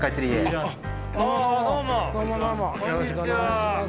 よろしくお願いします。